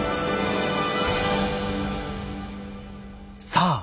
さあ